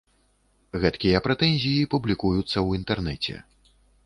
Гэткія прэтэнзіі публікуюцца ў інтэрнэце.